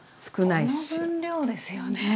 いやこの分量ですよね。